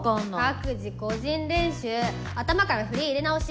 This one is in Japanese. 各自個人練習頭から振り入れ直し。